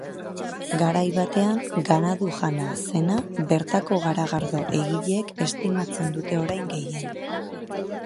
Garai batean ganadu-jana zena, bertako garagardo egileek estimatzen dute orain gehien.